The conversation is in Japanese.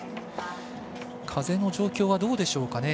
風の状況はどうでしょうか。